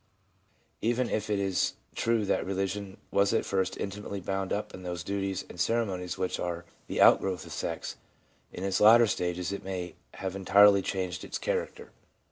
Even if it is true that religion was at first intimately bound up in those duties and ceremonies which are the outgrowth of sex, in its later stages it may have entirely changed its character.